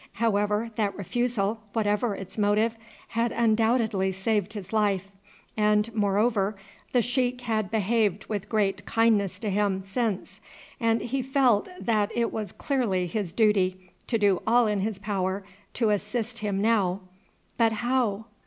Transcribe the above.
However, that refusal, whatever its motive, had undoubtedly saved his life; and, moreover, the sheik had behaved with great kindness to him since, and he felt that it was clearly his duty to do all in his power to assist him now; but how?